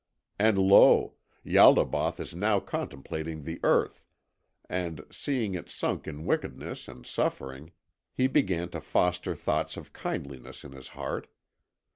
And lo! Ialdabaoth was now contemplating the Earth and, seeing it sunk in wickedness and suffering, he began to foster thoughts of kindliness in his heart.